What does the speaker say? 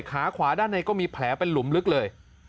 ขาขวาด้านในก็มีแผลเป็นหลุมลึกเลย